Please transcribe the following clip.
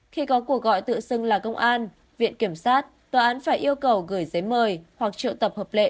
khi có cuộc gọi tự xưng là công an viện kiểm sát tòa án phải yêu cầu gửi giấy mời hoặc triệu tập hợp lệ